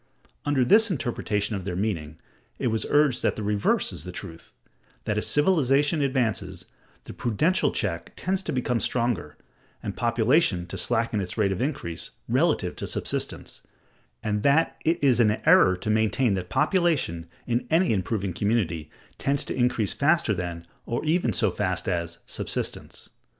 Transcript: Under this interpretation of their meaning, it was urged that the reverse is the truth: that as civilization advances, the prudential check tends to become stronger, and population to slacken its rate of increase, relatively to subsistence; and that it is an error to maintain that population, in any improving community, tends to increase faster than, or even so fast as, subsistence.